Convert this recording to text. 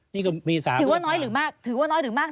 นี่ก็มีสามเดือน